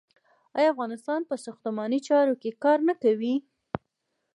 آیا افغانان په ساختماني چارو کې کار نه کوي؟